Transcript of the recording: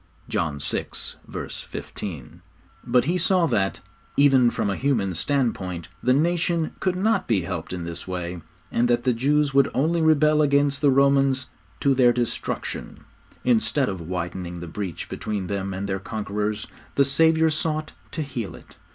(John vi. 15.) But He saw that, even from a human standpoint, the nation could not be helped in this way, and that the Jews would only rebel against the Romans to their destruction. Instead of widening the breach between them and their conquerors, the Saviour sought to heal it.